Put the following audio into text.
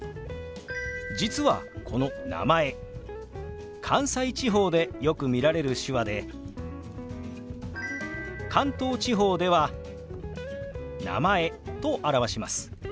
実はこの「名前」関西地方でよく見られる手話で関東地方では「名前」と表します。